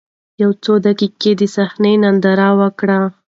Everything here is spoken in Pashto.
يو څو دقيقې يې دا صحنه ننداره وکړه.